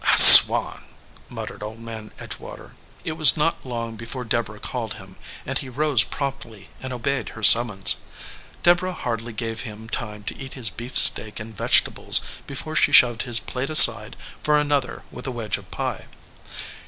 "I swan !" muttered Old Man Edgewater. It was not long before Deborah called him, and he rose promptly and obeyed her summons. Deb orah hardly gave him time to eat his beefsteak and vegetables before she shoved his plate aside for another with a wedge of pie.